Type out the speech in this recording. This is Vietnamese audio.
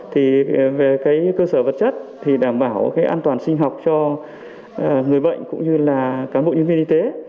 thì về cái cơ sở vật chất thì đảm bảo cái an toàn sinh học cho người bệnh cũng như là cán bộ nhân viên y tế